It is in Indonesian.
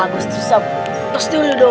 pasti bisa pasti udah dong